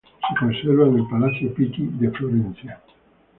Se conserva en el Palacio Pitti de Florencia.